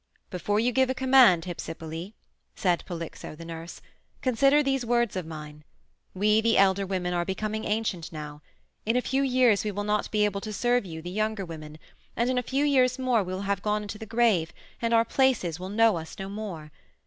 "Before you give a command, Hypsipyle," said Polyxo, the nurse, "consider these words of mine. We, the elder women, are becoming ancient now; in a few years we will not be able to serve you, the younger women, and in a few years more we will have gone into the grave and our places will know us no more.